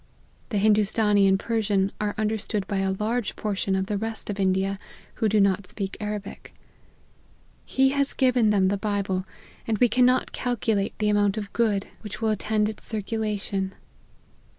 The Hindoos tanee and Persian are understood by a large por tion of the rest of India, who do pot speak Arabic, He has given them the Bible, and we cannot cal culate th& amount of good which will attend its cir R 194 LIFE OF HENRY MARTYN. culation.